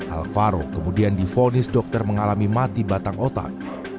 alvaro kemudian difonis dokter mengalami mati batang otak